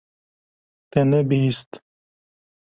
Te nebihîst.